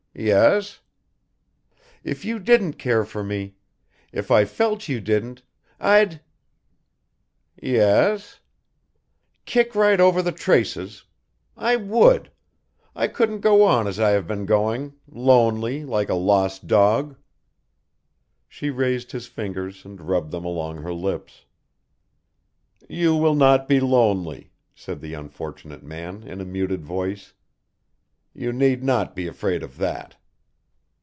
"Yes." "If you didn't care for me if I felt you didn't, I'd " "Yes." "Kick right over the traces. I would. I couldn't go on as I have been going, lonely, like a lost dog." She raised his fingers and rubbed them along her lips. "You will not be lonely," said the unfortunate man in a muted voice. "You need not be afraid of that."